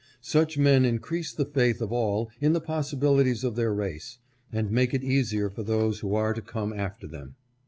Such men increase the faith of all in the possibil ities of their race, and make it easier for those who are to come after them.